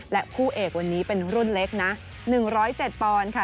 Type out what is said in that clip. และคู่เอกวันนี้เป็นรุ่นเล็กนะหนึ่งร้อยเจ็ดปอนด์ค่ะ